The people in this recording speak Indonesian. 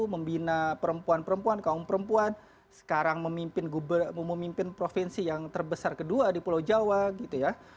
membina perempuan perempuan kaum perempuan sekarang memimpin provinsi yang terbesar kedua di pulau jawa gitu ya